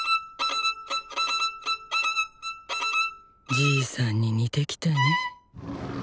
じいさんに似てきたね。